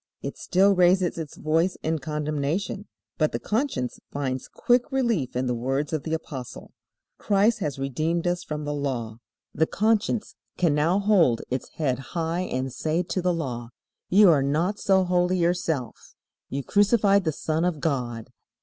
It still raises its voice in condemnation. But the conscience finds quick relief in the words of the Apostle: "Christ has redeemed us from the law." The conscience can now hold its head high and say to the Law: "You are not so holy yourself. You crucified the Son of God.